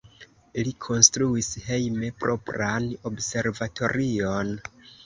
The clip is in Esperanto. Li konstruis hejme propran observatorion.